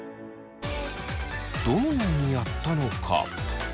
どのようにやったのか。